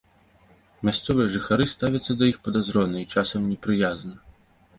Мясцовыя жыхары ставяцца да іх падазрона і часам непрыязна.